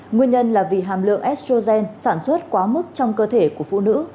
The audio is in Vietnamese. nguyên nhân là vì hàm lượng shogen sản xuất quá mức trong cơ thể của phụ nữ